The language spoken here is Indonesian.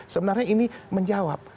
sebenarnya ini menjawab